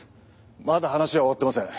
まだ話は終わってません。